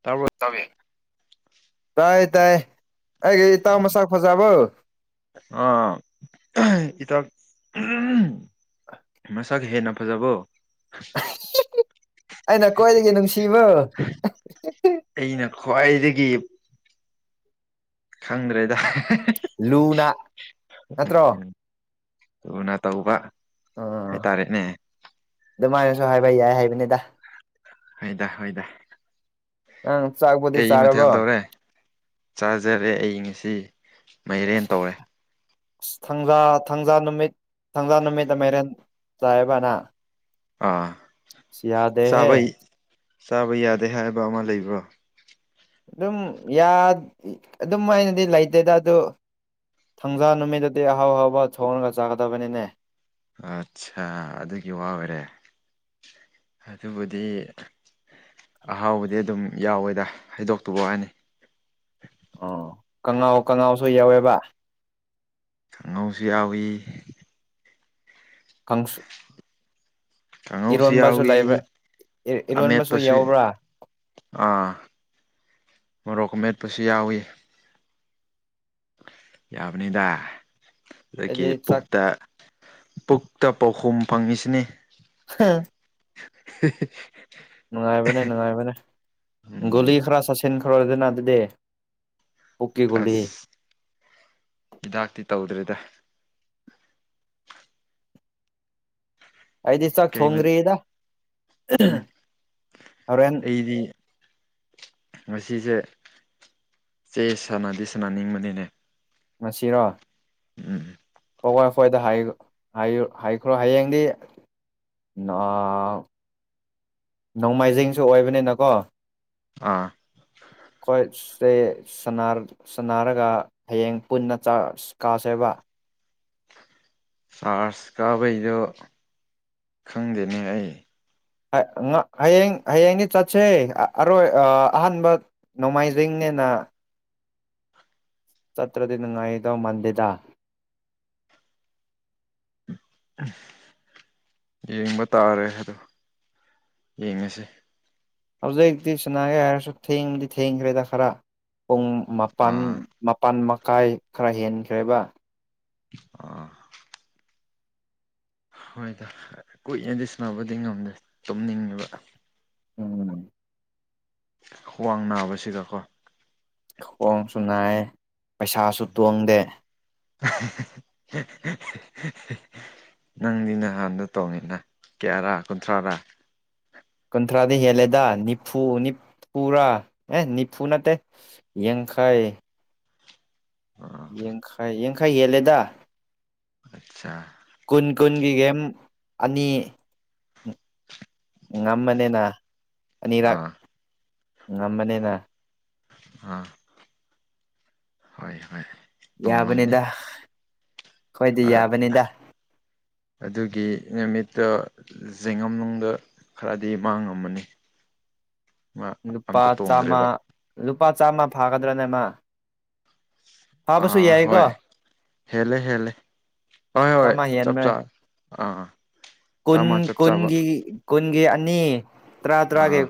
ꯇꯥꯕ꯭ꯔꯣ ꯇꯥꯏ ꯇꯥꯏ ꯑꯩꯒꯤ ꯏ ꯇꯥꯎ ꯃꯁꯥ ꯐꯖꯥꯕ ꯑꯥ ꯏ ꯇ ꯃꯁꯒ ꯍꯦꯅ ꯐꯖꯕꯣ ꯑꯩꯅ ꯀ꯭ꯋꯥꯏꯗꯒꯤ ꯅꯨꯡꯁꯤꯕ ꯈ꯭ꯋꯥꯏꯗꯒꯤꯗꯒꯤ ꯈꯪꯗ꯭ꯔꯦꯗ ꯂꯨꯅ ꯅꯠꯇ꯭ꯔꯣ ꯇꯅ ꯇ ꯎꯕ ꯎ ꯑꯗꯨꯃꯥꯏꯅꯁꯨ ꯍꯥꯏꯕ ꯌꯥꯏ ꯍꯥꯏꯕꯅꯤꯗ ꯍꯣꯏꯗ ꯍꯣꯏꯗ ꯅꯪ ꯆꯥꯛꯄꯨꯗꯤ ꯀꯩ ꯃꯊ ꯍ ꯆꯥꯔꯕꯣ ꯇꯎ꯭ꯔꯦ ꯆꯥꯖꯔꯦ ꯑꯩ ꯉꯁꯤ ꯃꯥꯏꯔꯦꯟ ꯇꯧꯔꯦ ꯑꯖ ꯊꯥꯡꯖꯥ ꯅꯨꯃꯤꯠ ꯊꯥꯡꯖꯥ ꯅꯨꯃꯤꯠ ꯃꯔꯦꯟ ꯆꯥꯏꯕꯅ ꯑꯥ ꯆꯥꯕ ꯆꯥꯕ ꯌꯥꯗꯦ ꯍꯥꯏꯕ ꯑꯃ ꯂꯩꯕ꯭ꯔꯣ ꯑꯗꯨꯝ ꯑꯗꯨꯝ ꯍꯥꯏꯅꯗꯤ ꯂꯩꯇꯦꯗ ꯑꯗꯨ ꯊꯥꯡꯖꯥ ꯅꯨꯃꯤꯠꯇꯗꯤ ꯑꯍꯥꯎ ꯍꯥꯎꯕ ꯊꯣꯡꯉꯒ ꯆꯥꯒꯗꯕꯅꯤꯅꯦ ꯑꯠꯆꯥ ꯑꯗꯨꯒꯤ ꯋꯥ ꯑꯣꯏꯔꯦ ꯑꯗꯨꯕꯨꯗꯤ ꯑꯍꯥꯎꯕꯗꯤ ꯑꯗꯨꯝ ꯌꯥꯎꯋꯦꯗ ꯍꯩꯗꯣꯛꯇꯕ ꯋꯥꯅꯤ ꯑꯣ ꯀꯉꯥꯎ ꯀꯉꯥꯎꯁꯨ ꯌꯥꯎꯋꯦꯕ ꯑꯉꯧꯁꯨ ꯌꯥꯎꯏꯤ ꯀꯪꯁ ꯀꯥꯡꯉꯧꯁꯨ ꯌꯥꯎꯏꯤ ꯏꯔꯣꯟꯕꯁꯨ ꯑꯃꯦꯠꯄꯁꯨ ꯌꯥꯎꯕ꯭ꯔꯥ ꯑꯥ ꯃꯣꯔꯣꯛꯀ ꯃꯦꯠꯄꯁꯨ ꯌꯥꯎꯏꯤ [inaudible] ꯌꯥꯕꯅꯤꯗ ꯑꯗꯒꯤ ꯑꯩꯗꯤ ꯆꯥꯛ ꯄꯨꯛꯇ ꯄꯨꯛꯇ ꯄꯥꯎꯈꯨꯝ ꯐꯪꯉꯤꯁꯤꯅꯤ ꯍꯥꯥ [unintelligible] ꯅꯨꯡꯉꯥꯏꯕꯅꯦ ꯅꯨꯡꯉꯥꯏꯕꯅꯦ ꯎꯝ ꯒꯨꯂꯤ ꯈꯔ ꯆꯠꯁꯤꯟꯈ꯭ꯔꯗꯅ ꯑꯗꯨꯗꯤ ꯄꯨꯛꯀꯤ ꯒꯨꯂꯤ ꯑꯁ ꯍꯤꯗꯥꯛꯇꯤ ꯇꯧꯗ꯭ꯔꯦꯗ ꯑꯩꯗꯤ ꯆꯥꯛ ꯀꯩ ꯊꯣꯡꯗ꯭ꯔꯤꯗ ꯎꯝ ꯍꯣꯔꯦꯟ ꯑꯩꯗꯤ ꯉꯁꯤꯁꯦ ꯆꯦ ꯁꯥꯟꯅꯗꯤ ꯁꯥꯟꯅꯅꯤꯡꯕꯅꯤꯅꯦ ꯃꯁꯤꯁꯤꯔꯣ ꯎꯝ [inaudible] ꯄꯏ ꯐꯋꯥꯏꯗ ꯍꯥꯏꯈ꯭ꯔꯣ ꯍꯌꯦꯡꯗꯤ ꯅꯣꯡꯃꯥꯏꯖꯤꯡꯁꯨ ꯑꯣꯏꯕꯅꯤꯅꯀꯣ ꯑꯥ ꯑꯩꯈꯣꯏꯁꯦ ꯁꯅꯔꯒ ꯍꯌꯦꯡ ꯄꯨꯟꯅ ꯀꯥꯁꯦꯕ ꯆꯥꯔꯖ ꯀꯥꯕꯩꯗꯣ ꯈꯪꯗꯦꯅꯦ ꯑꯩ ꯍꯌꯦꯡ ꯍꯌꯦꯡꯗꯤ ꯆꯠꯁꯦ ꯑꯔꯣꯏ ꯑꯍꯥꯟꯕ ꯅꯣꯡꯃꯥꯏꯖꯤꯡꯅꯤ ꯅ ꯆꯇ꯭ꯔꯗꯤꯅꯅꯨꯡ ꯉꯥꯏꯗ ꯃꯥꯟꯗꯤꯗ ꯑ ꯌꯦꯡꯕ ꯇꯥꯔꯦ ꯍꯥꯏꯗꯣ ꯌꯦꯡꯉꯁꯤ ꯍꯧꯖꯛꯛꯇ ꯁꯅꯥꯒꯦ ꯍꯥꯏꯔꯁꯨ ꯊꯦꯡꯗꯤ ꯊꯦꯡꯈ꯭ꯔꯦꯗ ꯈꯔ ꯄꯨꯡ ꯃꯄꯜ ꯑꯥ ꯃꯄꯜ ꯃꯈꯥꯏ ꯈꯔ ꯍꯦꯟꯈ꯭ꯔꯦꯕ ꯑꯥ ꯍꯣꯏꯗ ꯀꯨꯏꯅꯗꯤ ꯁꯕꯨꯗꯤ ꯉꯝꯗꯦ ꯇꯨꯝꯅꯤꯡꯉꯕ ꯎꯝ ꯈ꯭ꯋꯥꯡ ꯅꯥꯕꯁꯤꯒꯀꯣ ꯈꯣꯡꯁꯨ ꯅꯥꯏ ꯄꯩꯁꯥꯁꯨ ꯇꯣꯡꯗꯦ [unintelligible] ꯅꯪꯗꯤ ꯅꯍꯥꯟꯗ ꯇꯣꯡꯉꯤꯅ ꯀꯌꯥꯔꯥ ꯀꯨꯟꯊ꯭ꯔꯥꯔꯥ ꯀꯨꯟꯊ꯭ꯔꯥꯗꯤ ꯍꯦꯜꯂꯦꯗ ꯅꯤꯐꯨ ꯅꯤ ꯄꯨꯔꯥ ꯑꯦ ꯅꯤꯐꯨ ꯅꯠꯇꯦ ꯌꯦꯡꯈꯩ ꯑꯥ ꯌꯦꯡꯈꯥꯏ ꯌꯦꯡꯈꯥꯏ ꯍꯦꯜꯂꯦꯗ ꯑꯆꯥ ꯀꯨꯟ ꯀꯨꯟꯒꯤ ꯒꯦꯝ ꯑꯅꯤ ꯉꯝꯃꯅꯤꯅ ꯑꯅꯤꯔꯛ ꯑꯥ ꯉꯝꯃꯅꯤꯅ ꯑꯥ ꯍꯣꯏ ꯍꯣꯏ ꯇꯣꯡꯉꯝꯅꯤ ꯌꯥꯕꯅꯤꯗ ꯑꯩꯣꯏꯗꯤ ꯌꯥꯕꯅꯤꯗ ꯑꯗꯨꯒꯤ ꯅꯨꯃꯤꯠꯇ ꯌꯦꯡꯉꯝꯅꯨꯡꯗ ꯈꯔꯗꯤ ꯃꯥꯡꯉꯝꯃꯅꯤ [unintelligible] ꯂꯨꯄꯥ ꯑꯝꯇ ꯆꯥꯝꯃ ꯇꯣꯡꯗ꯭ꯔꯦꯕ ꯂꯨꯄꯥ ꯆꯥꯝꯃ ꯐꯥꯒꯗ꯭ꯔꯥꯅꯦꯃ ꯍꯥꯥꯕꯁꯨꯣ ꯌꯥꯏ ꯀ ꯍꯦꯂꯦ ꯍꯦꯂꯦ ꯍꯣꯏ ꯍꯣꯏ ꯆꯥꯝꯃ ꯆꯞ ꯍꯦꯟꯕ꯭ꯔꯦ ꯆꯥ ꯑꯥ ꯀꯨꯟ ꯆꯥꯃ ꯆꯞ ꯆꯥꯕ ꯀꯨꯟꯒꯤ ꯀꯨꯟꯒꯤ ꯑꯅꯤ ꯇꯔꯥ ꯇꯔꯥꯒꯤ ꯑꯥ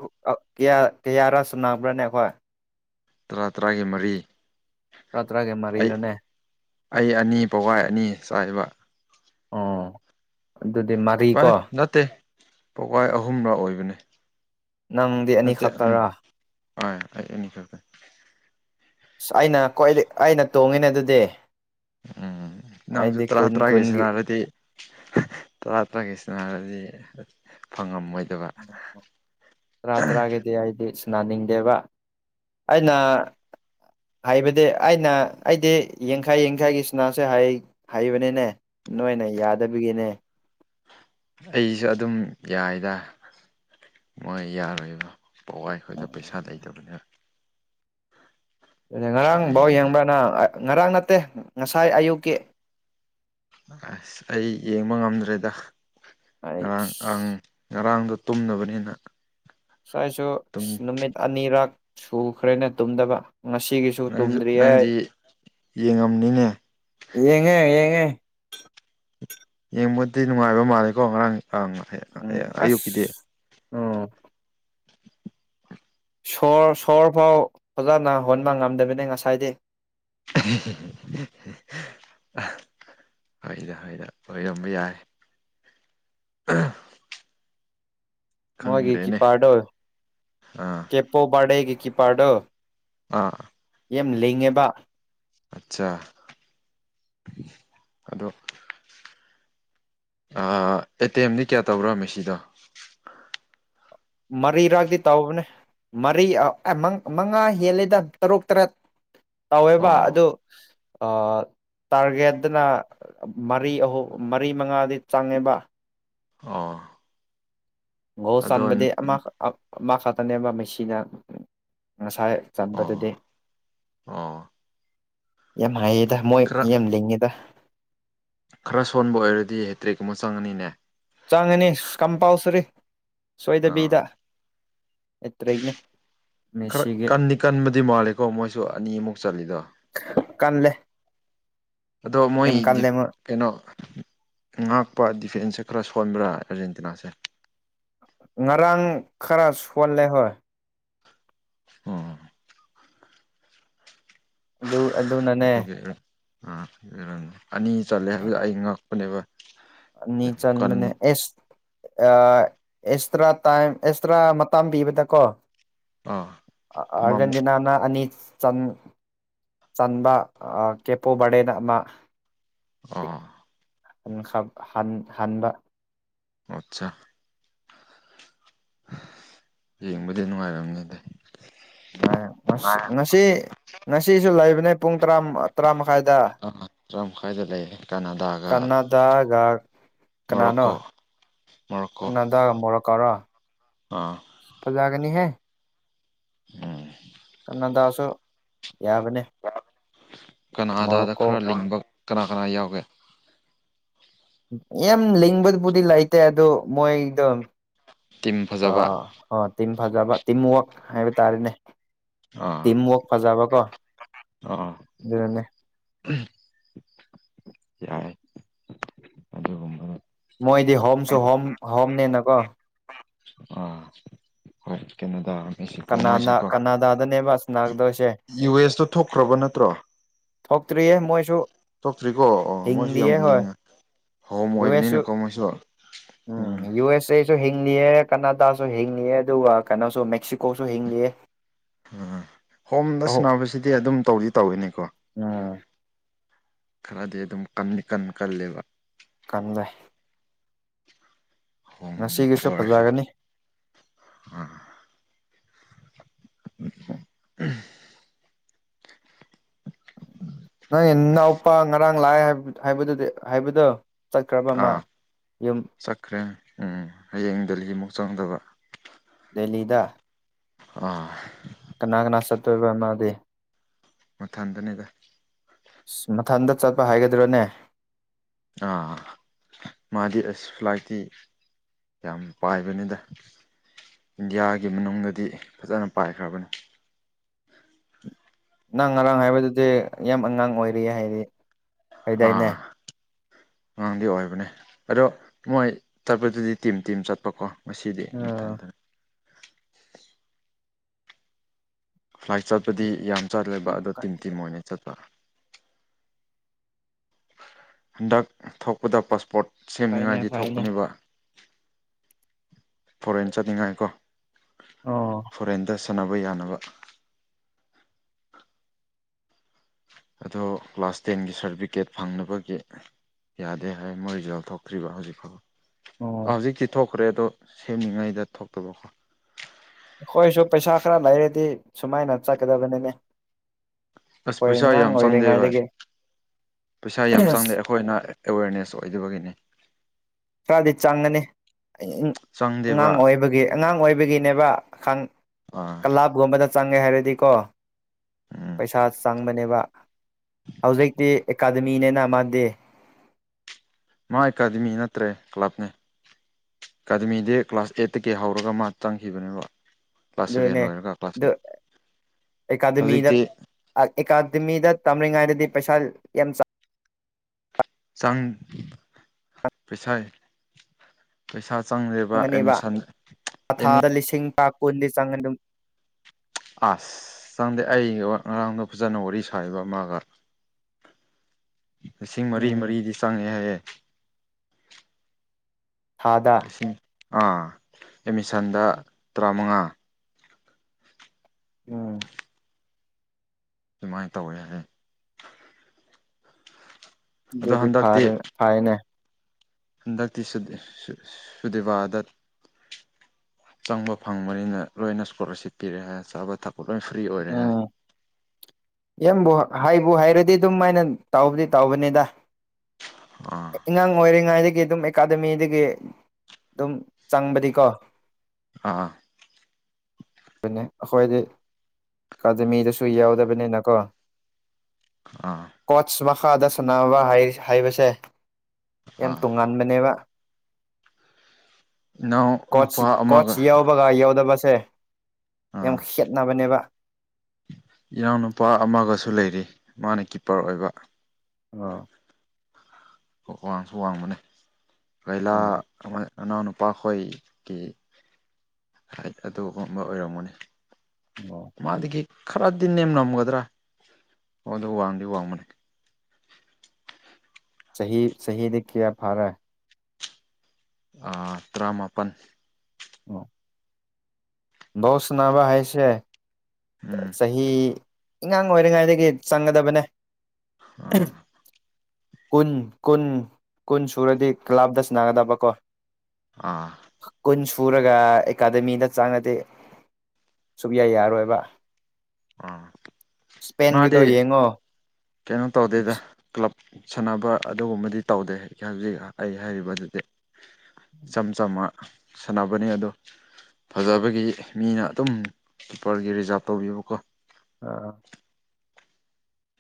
ꯀꯌꯥꯔꯥ ꯆꯨꯝꯅꯥꯕ꯭ꯔꯥꯅꯦ ꯑꯩꯈꯣꯏ ꯇꯔꯥ ꯇꯔꯥꯒꯤ ꯃꯔꯤ ꯔꯥꯇ꯭ꯔꯥꯒꯦ ꯑꯩ ꯃꯥꯔꯤꯔꯅꯦ ꯑꯩ ꯑꯅꯤ ꯄꯋꯥꯏ ꯑꯅꯤ ꯆꯥꯏꯕ ꯑꯣ ꯑꯗꯨꯗꯤ ꯚꯥꯏ ꯃꯔꯤꯀꯣ ꯅꯠꯇꯦ ꯄꯋꯥꯏ ꯑꯍꯨꯝꯂꯥ ꯑꯣꯏꯕꯅꯤ ꯅꯪꯗꯤ ꯑꯅꯤꯈꯛꯇꯔꯥ ꯍꯣꯏ ꯑꯩ ꯑꯅꯤ ꯈꯗꯦ꯫ ꯑꯁ ꯑꯩꯅ ꯈ꯭ꯋꯥꯏ ꯑꯩꯅ ꯇꯣꯡꯉꯤꯅꯦ ꯑꯗꯨꯗꯤ꯫ ꯑꯝ꯫ ꯅꯪꯁꯨ ꯑꯩꯗꯤ ꯇꯔꯥ ꯀꯨꯟ ꯇꯔꯥꯒꯤꯁꯤꯅ ꯀꯨꯟꯒꯤ ꯍꯥꯏꯔꯗꯤ ꯇꯔꯥ ꯇꯔꯥꯒꯤ ꯁꯅꯔꯗꯤ꯫ ꯐꯪꯉꯝꯃꯣꯏ꯫ ꯔꯇꯥꯒꯦꯗꯤ ꯍꯥꯏꯗꯤ꯫ ꯅꯥꯅꯤꯡꯗꯦꯕ ꯑꯩꯅ꯫ [inaudible] ꯍꯥꯏꯕꯗꯤ ꯑꯩꯅ ꯑꯩꯗꯤ ꯌꯡꯈꯏ ꯌꯡꯈꯏꯒꯤ ꯁꯤꯅꯥꯁꯦ ꯍꯥꯏꯕꯅꯤꯅꯦ ꯅꯣꯏ꯫ ꯌꯥꯗꯕꯒꯤꯅꯦ꯫ ꯑꯩꯁꯨ ꯑꯗꯨꯝ ꯌꯥꯏꯗ꯫ ꯃꯣꯏ ꯌꯥꯔꯣꯏꯕ ꯄꯋꯥ ꯑꯩꯈꯣꯏꯗ ꯄꯩꯁꯥ ꯂꯩꯇꯕꯅꯤꯅ꯫ ꯑꯗꯨꯗ ꯉꯔꯥꯡꯐꯥꯎ ꯑꯗꯨꯏꯅꯤꯗ ꯌꯦꯡꯕ꯭ꯔꯅ ꯉꯔꯥꯡ ꯅꯠꯇꯦ ꯉꯁꯥꯏ ꯑꯌꯨꯛꯀꯤ꯫ ꯑꯁ ꯑꯩ ꯌꯦꯡꯕ ꯉꯝꯗ꯭ꯔꯦꯗ ꯑꯩ ꯉꯔꯥꯡ ꯉꯔꯥꯡꯗꯣ꯫ ꯇꯨꯝꯅꯕꯅꯤꯅ꯫ ꯉꯥꯏꯁꯨ ꯅꯨꯃꯤꯠ ꯑꯅꯤꯔꯛ ꯁꯨꯈ꯭ꯔꯦꯅ ꯇꯨꯝꯗꯕ꯫ ꯉꯁꯤꯒꯤꯁꯨ ꯅꯪꯁꯨ ꯇꯨꯝꯗ꯭ꯔꯤ ꯑꯩ ꯅꯪꯗꯤ ꯌꯦꯡꯉꯝꯅꯤꯅꯦ ꯌꯦꯡꯉꯦ ꯌꯦꯡꯉꯦ꯫ ꯌꯦꯡꯕꯗꯤ ꯅꯨꯡꯉꯥꯏꯕ ꯃꯥꯜꯂꯦꯀꯣ ꯉꯔꯥꯡ ꯎꯝ ꯑꯌꯨꯛꯀꯤꯗꯤ꯫ ꯑꯁ ꯎꯝ ꯁꯣꯔ ꯁꯣꯔ ꯐꯥꯎ ꯑꯣꯖꯥꯅ ꯍꯣꯟꯕ ꯉꯝꯗꯕꯅꯦ ꯉꯁꯥꯏꯗꯤ꯫ ꯍꯦ ꯍꯦ꯫ ꯍꯣꯏꯗ ꯍꯣꯏꯗ ꯑꯣꯏꯔꯝꯕ ꯌꯥꯏ꯫ [unintelligible] ꯃꯣꯏꯒꯤ ꯈꯪꯗ꯭ꯔꯦꯅꯦ ꯀꯤꯄꯔꯗꯣ ꯑꯥ ꯀꯦꯄꯣꯕꯥꯗꯦꯒꯤ ꯀꯤ ꯄꯔꯗ꯫ ꯑꯥ꯫ ꯌꯥꯝ ꯂꯤꯡꯉꯦꯕ꯫ ꯑꯠꯆꯥ ꯑꯗꯣ꯫ ꯑꯦꯇꯦꯝꯗꯤ ꯀꯌꯥ ꯇꯧꯔ ꯃꯤꯁꯤꯗꯣ꯫ ꯃꯔꯤꯔꯛꯇꯤ ꯇꯥꯎꯕꯅꯦ꯫ ꯃꯔꯤ ꯃꯉꯥ ꯍꯦꯜꯂꯤꯗ ꯇꯔꯨꯛ ꯇꯔꯦꯠ꯫ ꯇꯧꯋꯦꯕ ꯑꯣ ꯑꯗꯨ ꯑ꯫ ꯇꯥꯔꯒꯦꯠꯇꯅ ꯃꯔꯤ ꯑꯍꯨꯝ ꯃꯔꯤ ꯃꯉꯥꯗꯤ ꯆꯪꯉꯦꯕ꯫ ꯑꯥ꯫ ꯒꯣꯜ ꯆꯥꯟꯕꯗꯤ ꯑꯃ ꯑꯃ ꯈꯛꯇꯅꯦꯕ ꯃꯩꯁꯤꯅ꯫ ꯉꯁꯥꯏ ꯑꯣ ꯆꯟꯕꯗꯨꯗꯤ꯫ ꯑꯣ ꯌꯥꯝ ꯍꯥꯏꯌꯦꯗ ꯃꯣꯏ ꯈꯔ ꯌꯥꯝ ꯌꯥꯝ ꯂꯤꯡꯉꯦꯗ꯫ ꯈꯔ ꯁꯣꯟꯕ ꯑꯣꯏꯔꯗꯤ ꯍꯦꯇ꯭ꯔꯤꯛ ꯑꯃ ꯆꯪꯉꯅꯤꯅꯦ꯫ ꯆꯪꯉꯅꯤ ꯀꯝꯄꯥꯜꯁꯔꯤ ꯁꯣꯏꯗꯕꯤꯗ꯫ ꯑꯥ ꯑꯦꯠꯇꯔ꯭ꯦꯛꯅꯦ꯫ ꯈꯔ ꯀꯟꯅꯤ ꯀꯟꯕꯗꯤ ꯃꯥꯜꯂꯦꯀꯣ ꯃꯣꯏꯁꯨ ꯑꯅꯤꯃꯨꯛ ꯆꯂꯤꯗ꯫ ꯀꯜꯂꯦ ꯑꯗꯣ ꯌꯥꯝ ꯃꯣꯏꯗꯤ ꯀꯜꯂꯦ ꯃꯣꯏ ꯀꯩꯅꯣ ꯉꯥꯛꯄ꯫ ꯐꯦꯟꯁꯦ ꯈꯔ ꯁꯣꯟꯕ꯭ꯔꯥ ꯑꯥꯔꯖꯦꯟꯇꯤꯅꯥꯁꯦ꯫ ꯉꯔꯥꯡ ꯈꯔ ꯁꯣꯜꯂꯦ ꯍꯣꯏ꯫ ꯎꯝ꯫ ꯑꯗꯨ ꯑꯗꯨꯅꯅꯦ꯫ ꯑꯗꯨꯒꯤ ꯑꯥ ꯑꯅꯤ ꯆꯜꯂꯦ ꯍꯥꯏꯕꯗꯤ ꯑꯩ ꯉꯛꯄꯅꯦꯕ꯫ ꯌꯥꯝ ꯑꯅꯤꯆꯜ ꯀꯟ ꯃ ꯑꯦꯁ꯫ ꯑꯦꯛꯁꯇ꯭ꯔꯥ ꯇꯥꯏꯝ ꯑꯦꯛꯁꯇ꯭ꯔꯥ ꯃꯇꯝ ꯄꯤꯕꯗꯀꯣ꯫ ꯑꯥ ꯑꯃꯃꯨꯛ ꯑꯔꯖꯦꯟꯇꯤꯅꯥꯅ ꯑꯅꯤ꯫ ꯆꯟ ꯆꯟꯕ ꯀꯦꯄꯨ ꯕꯔꯗꯦꯅ ꯑꯃ꯫ ꯑꯥ꯫ ꯍꯟꯥꯟꯕ ꯑꯠꯆꯥ ꯌꯦꯡꯕꯗꯤ ꯅꯨꯡꯉꯥꯏꯔꯝꯅꯤ ꯑꯗ ꯉꯁꯤ ꯉꯁꯤꯁꯨ ꯂꯩꯕꯅꯦ ꯄꯨꯡ ꯇꯔꯥ ꯇꯔꯥꯃ ꯑ ꯇꯔꯥ ꯃꯈꯥꯏꯗ ꯂꯩ ꯀꯅꯥꯗꯥꯒ ꯀꯅꯥꯗꯥꯒ ꯃꯣꯔꯣꯀꯣ ꯃꯣꯔꯣꯀꯣ ꯅꯗꯒ ꯃꯣꯔ ꯀꯧꯔ ꯑꯥ ꯐꯖꯥꯒꯅꯤ ꯍꯥꯏꯦ ꯎꯝ ꯅꯟꯗꯥꯁꯨ ꯌꯥꯕꯅꯤ ꯀꯅꯥ ꯑꯗꯥꯗ ꯈꯔ ꯂꯤꯡꯕ ꯀꯅꯥ ꯀꯅꯥ ꯌꯥꯎꯒꯦ ꯌꯥꯝ ꯂꯤꯡꯕꯗꯨꯕꯨꯗꯤ ꯂꯩꯇꯦ ꯑꯗꯨ ꯃꯣꯏꯗꯣ ꯇꯤꯝ ꯑ ꯐꯖꯕ ꯑ ꯇꯤꯝ ꯐꯖꯕ ꯇꯤꯝꯋꯛ ꯍꯥꯏꯕ ꯇꯥꯔꯦꯅꯦ ꯑꯥ ꯇꯤꯝ ꯋꯥꯔꯛ ꯄꯖꯕ ꯀꯣ ꯑꯥ ꯑꯗꯨꯅꯦ ꯌꯥꯏ ꯑꯗꯨꯒꯨꯝꯕꯗꯣ ꯃꯣꯏꯗꯤ ꯍꯣꯝꯁꯨ ꯍꯣꯝ ꯍꯣꯝꯅꯦ ꯅꯀꯣ ꯑꯥ ꯍꯣꯏ ꯀꯩꯅꯣꯗ ꯏꯁꯤꯄꯣ ꯀꯅꯥꯅ ꯃꯣꯏꯁꯦꯀꯣ ꯀꯅꯥꯗꯥꯗꯅꯦꯕ ꯁꯅꯥꯒꯗꯣꯏꯁꯦ ꯌꯨ ꯑꯦꯁꯇ ꯊꯣꯛꯈ꯭ꯔꯕ ꯅꯠꯇ꯭ꯔꯣ ꯊꯣꯛꯇ꯭ꯔꯤꯌꯦ ꯃꯣꯏꯁꯨ ꯆꯇ꯭ꯔꯤꯀꯣ ꯑꯣ ꯃꯣꯏꯁꯨ ꯌꯥꯝ ꯍꯤꯡꯂꯤꯌꯦ ꯍꯣꯏ ꯂꯉ ꯌꯨ ꯑꯦꯁ ꯎꯝ ꯌꯨ ꯑꯦꯁ ꯑꯦ ꯁꯁꯨ ꯍꯤꯡꯅꯤꯑ ꯀꯅꯥꯗꯥꯁꯨ ꯍꯤꯡꯉꯑ ꯑꯗꯨꯒ ꯀꯩꯅꯣꯁꯨ ꯃꯦꯛꯁꯤꯀꯣꯁꯨ ꯍꯤꯡꯉꯑ ꯎꯝ ꯍꯣꯝꯗ ꯁꯥꯟꯕꯁꯤꯗꯤ ꯑꯗꯨꯝ ꯇꯧꯗꯤ ꯇꯧꯏꯤꯅꯤꯀꯣ ꯎꯝ ꯈꯔꯗꯤ ꯑꯗꯨꯝ ꯀꯅꯤ ꯀꯟ ꯀꯜꯂꯦꯕ ꯀꯟꯗꯦ ꯍꯣꯡꯁꯦ ꯄꯁꯦ ꯐꯖꯒꯅꯤ ꯑ [unintelligible] ꯅꯪ ꯏꯅꯥꯎꯄꯥ ꯉꯔꯥꯡ ꯂꯥꯛꯑꯦꯗꯨ ꯍꯥꯏꯕꯗꯣ ꯆꯠꯈ꯭ꯔꯕ ꯃꯥ ꯑꯥ ꯌꯨꯝ ꯆꯠꯈ꯭ꯔꯦ ꯎꯝ ꯍꯌꯦꯡ ꯗꯦꯜꯂꯤꯃꯨꯛ ꯆꯪꯗꯕ ꯆꯂꯤꯗ ꯑꯥ ꯀꯅꯥ ꯀꯅꯥ ꯁꯠꯇꯣꯏꯕ ꯃꯥꯗꯤ ꯃꯊꯟꯗꯅꯦꯒ ꯃꯊꯟꯇ ꯆꯠꯄ ꯍꯥꯏꯒꯗ꯭ꯔꯣꯅꯦ ꯑꯥ ꯃꯥꯗꯤ ꯑꯁ ꯐ꯭ꯂꯥꯏꯠꯇꯤ ꯌꯥꯝ ꯄꯥꯏꯕꯅꯤꯗ ꯏꯟꯗꯤꯌꯥꯒꯤ ꯃꯅꯨꯡꯗꯗꯤ ꯐꯖꯅ ꯄꯥꯏꯈ꯭ꯔꯕꯅꯤ ꯅꯪ ꯉꯔꯥꯡ ꯍꯥꯏꯕꯗꯨꯗꯤ ꯌꯥꯝ ꯑꯉꯥꯡ ꯑꯣꯏꯔꯤ ꯍꯥꯏꯗꯤ ꯀꯗꯥꯏꯅꯦ ꯑꯥ ꯑꯉꯥꯡꯗꯤ ꯑꯣꯏꯕꯅꯦ ꯑꯗꯣ ꯃꯣꯏ ꯆꯠꯄꯗꯨꯗꯤ ꯇꯤꯝ ꯇꯤꯝ ꯆꯠꯄꯀꯣ ꯉꯁꯤꯗꯤ ꯑꯣ ꯑꯝꯊꯟꯗꯅ ꯐ꯭ꯂꯥꯏꯠ ꯆꯠꯄꯗꯤ ꯌꯥꯝ ꯆꯥꯗ꯭ꯔꯦꯕ ꯑꯗꯣ ꯇꯤꯝ ꯇꯤꯝ ꯑꯣꯏꯅ ꯆꯠꯄ ꯍꯟꯗꯛ ꯊꯣꯛꯄꯗ ꯄꯥꯁꯄꯣꯔꯠ ꯐꯩꯅꯦ ꯁꯦꯝꯅꯤꯉꯥꯏꯗꯤ ꯐꯩꯅꯦ ꯊꯣꯛꯄꯅꯦꯕ ꯐꯣꯔꯦꯟ ꯆꯠꯅꯤꯡꯉꯥꯏ ꯀꯣ ꯑꯣ ꯐꯣꯔꯦꯟꯗ ꯁꯥꯟꯅꯕ ꯌꯥꯅꯕ ꯑꯗꯣ ꯀ꯭ꯂꯥꯁ ꯇꯦꯟꯒꯤ ꯁꯥꯔꯇꯤꯐꯤꯀꯦꯠ ꯐꯪꯅꯕꯒꯤ ꯌꯥꯗꯦ ꯍꯥꯏ ꯃꯣꯏꯖꯦꯜ ꯊꯣꯛꯈ꯭ꯔꯤꯕ ꯍꯧꯖꯤꯛꯀꯥꯎ ꯑꯣ ꯍꯧꯖꯤꯛꯇꯤ ꯊꯣꯛꯈ꯭ꯔꯦ ꯑꯗꯣ ꯁꯦꯝꯃꯤꯉꯩꯗ ꯊꯣꯛꯇꯕꯀꯣ ꯑꯩꯈꯣꯏꯁꯨ ꯄꯩꯁꯥ ꯈꯔ ꯂꯩꯔꯗꯤ ꯁꯨꯃꯥꯏꯅ ꯆꯠꯀꯗꯕꯅꯤꯅꯦ ꯑꯁ ꯑꯩꯈꯣꯏ ꯄꯩꯁꯥ ꯑꯉꯥꯡ ꯌꯥꯝ ꯆꯪꯖꯩ ꯚꯥꯏ ꯑꯣꯏꯔꯤꯉꯩꯗꯒꯤ ꯄꯩꯁꯥ ꯌꯥꯝ ꯆꯪꯗꯦ ꯑꯩꯈꯣꯏꯅ ꯑꯦꯋꯦꯔꯅꯦꯁ ꯑꯣꯏꯗꯕꯒꯤꯅꯤ ꯈꯔꯗꯤ ꯆꯪꯒꯅꯤ ꯑꯉꯥꯡ ꯆꯪꯗꯦꯕ ꯑꯣꯏꯕꯒꯤ ꯑꯉꯥꯡ ꯑꯣꯏꯕꯒꯤꯅꯦꯕ ꯑꯥ ꯀꯂꯥꯞꯒꯨꯝꯕꯗ ꯆꯉꯦ ꯍꯥꯏꯔꯗꯤ ꯀꯣ ꯎꯝ ꯄꯁꯥ ꯆ ꯕ ꯍꯧꯖꯤꯛꯇꯤ ꯑꯦꯀꯥꯗꯃꯤꯅꯦꯅ ꯃꯥꯟꯗꯦ ꯃꯥ ꯑꯦꯀꯥꯗꯃꯤ ꯅꯠꯇ꯭ꯔꯦ ꯀ꯭ꯂꯕꯅꯦ ꯑꯦꯀꯥꯗꯃꯤꯗꯤ ꯀ꯭ꯂꯥꯁ ꯑꯦꯠꯇꯒꯤ ꯍꯧꯔꯒ ꯃꯥ ꯆꯪꯈꯤꯕꯅꯦꯕ ꯀ꯭ꯂꯥꯁ ꯁꯚꯦꯟ ꯑꯗꯨꯅꯦ ꯂꯣꯏꯔꯒ ꯀ꯭ꯂꯥꯁ ꯑꯗꯨ ꯑꯩꯠ ꯑꯦꯀꯥꯗꯃꯤꯗ ꯍꯧꯖꯤꯛꯇꯤ ꯑꯦꯀꯥꯗꯃꯤꯗ ꯇꯝꯔꯤꯉꯥꯏꯗꯗꯤ ꯄꯩꯁꯥ ꯌꯥꯝ ꯆꯥꯎ ꯆꯥꯡ ꯄꯩꯁꯥꯏ ꯄꯩꯁꯥ ꯆꯪꯕ ꯆꯪꯒꯅꯦꯕ ꯑꯦꯃꯤꯁꯟ ꯑ ꯏꯠ ꯀꯗꯤ ꯆꯉꯗꯝ ꯑꯁ ꯆꯪꯗꯦ ꯑꯩ ꯉꯔꯥꯡꯗ ꯐꯖꯅ ꯋꯥꯔꯤ ꯁꯥꯕ ꯑꯃꯒ ꯂꯤꯁꯤꯡ ꯃꯔꯤ ꯎꯝ ꯃꯔꯤꯗꯤ ꯆꯪꯉꯦ ꯍꯥꯏꯌꯦꯦ ꯊꯥꯗ ꯂꯤꯁꯤꯡ ꯑꯥ ꯑꯦꯠꯃꯤꯁꯟꯗ ꯇꯔꯥꯃꯉꯥ ꯎꯝ ꯁꯨꯃꯥꯏꯅ ꯇꯧꯋꯦ ꯍꯥꯏꯁꯦ ꯑꯗꯨꯗꯤ ꯐꯔ ꯐꯥꯏꯅꯦ ꯍꯟꯗꯛꯇꯤ ꯁꯨꯗꯤꯦꯕꯥꯗꯠ ꯆꯪꯕ ꯐꯪꯕꯅꯤꯅ ꯂꯣꯏꯅ ꯏꯁꯀꯣꯂꯥꯔꯁꯤꯞ ꯄꯤꯔꯛꯦ ꯆꯥꯕ ꯊꯛꯄ ꯂꯣꯏ ꯐ꯭ꯔꯤ ꯑꯣꯏꯔꯦ ꯍꯥꯏ ꯏꯕꯨ ꯍꯥꯏꯕꯨ ꯍꯥꯏꯔꯗꯤ ꯑꯗꯨꯝ ꯃꯥꯥꯏꯅ ꯇꯥꯎꯕꯗꯤ ꯇꯥꯎꯕꯅꯤꯗ ꯑꯥ ꯑꯉꯥꯡ ꯑꯣꯏꯔꯤꯉꯩꯗꯒꯤ ꯑꯗꯨꯝ ꯑꯦꯀꯥꯗꯃꯤꯗꯒꯤ ꯑꯗꯨꯝ ꯆꯪꯕꯗꯤꯀꯣ ꯑꯥ ꯑꯩꯈꯣꯏꯗꯤ ꯑꯦꯀꯥꯗꯃꯤꯗꯁꯨ ꯌꯥꯎꯗꯕꯅꯤꯅꯀꯣ ꯑꯥ ꯀꯣꯆ ꯃꯈꯥꯗ ꯁꯥꯟꯅꯕ ꯍꯥꯏꯕꯁꯦ ꯌꯥꯝ ꯑꯥ ꯇꯣꯉꯥꯟꯕꯅꯦꯕ ꯏꯅꯥꯎ ꯀꯣꯆ ꯅꯨꯄꯥ ꯑꯃꯒ ꯀꯣꯆ ꯌꯎꯕꯒ ꯌꯧꯗꯕꯁꯦ ꯌꯥꯝ ꯑꯥ ꯈꯦꯠꯅꯕꯅꯦꯕ ꯏꯅꯥꯎꯅꯨꯄꯥ ꯑꯃꯒꯁꯨ ꯂꯩꯔꯤ ꯃꯥꯅ ꯀꯤꯞꯄꯔ ꯑꯣꯏꯕ ꯑꯥ ꯋꯥꯡꯁꯨ ꯋꯥꯡꯕꯅꯦ ꯀꯩꯂꯥ ꯑꯣ ꯑꯃ ꯅꯅꯥꯎꯅ ꯅꯨꯄꯥꯈꯣꯏꯒꯤ ꯍꯥꯏꯠ ꯑꯗꯨꯒꯨꯝꯕ ꯑꯣꯏꯔꯝꯃꯅꯤ ꯑꯣ ꯃꯥꯗꯗꯒꯤ ꯈꯔꯗꯤ ꯅꯦꯝꯅꯝꯒꯗ꯭ꯔꯥ ꯑꯣꯗ ꯋꯥꯡꯗꯤ ꯋꯥꯡꯕꯅꯦ ꯁꯍꯤꯗ ꯀꯌꯥ ꯐꯥꯔꯥ ꯇꯔꯥꯃꯥꯄꯜ ꯑ ꯕ‌ꫭꯜ ꯁꯨꯅꯥꯕ ꯍꯥꯏꯁꯦ ꯎꯝ ꯆꯍꯤ ꯑꯉꯥꯡ ꯑꯣꯏꯔꯤꯉꯥꯏꯗꯒꯤ ꯆꯪꯒꯗꯕꯅꯦ ꯑꯥ ꯀꯨꯟ ꯀꯨꯟ ꯀꯨꯟ ꯁꯨꯔꯗꯤ ꯀ꯭ꯂꯥꯞꯇ ꯁꯥꯟꯅꯥꯒꯗꯕ ꯀꯣ ꯑꯥ ꯀꯨꯟꯁ ꯐꯨꯔꯒ ꯑꯦꯀꯥꯗꯃꯤꯗ ꯆꯪꯉꯗꯤ ꯁꯨꯛꯌꯥ ꯌꯥꯔꯣꯏꯕ ꯑ ꯃꯥꯗꯤ ꯏꯁꯄꯦꯟꯒꯤꯗꯣ ꯌꯦꯡꯉꯣ ꯀꯩꯅꯣ ꯇꯧꯗꯦꯗ ꯀ꯭ꯂꯂꯞ ꯁꯥꯟꯅꯕ ꯑꯗꯨꯒꯨꯝꯕꯗꯤ ꯇꯧꯗꯦ ꯍꯧꯖꯤꯛ ꯑꯩ ꯍꯥꯏꯔꯤꯕꯗꯨꯗꯤ ꯏꯆꯝ ꯆꯝꯝꯕ ꯁꯥꯟꯅꯕꯅꯤ ꯑꯗꯣ ꯐꯖꯕꯒꯤ ꯃꯤꯅ ꯑꯗꯨꯝ ꯀꯤꯄꯔꯒꯤ ꯔꯤꯖꯥꯞ ꯇꯧꯕꯤꯕꯀꯣ ꯑꯥ